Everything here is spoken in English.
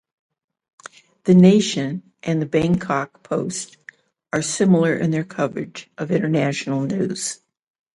"The Nation" and the "Bangkok Post" are similar in their coverage of international news.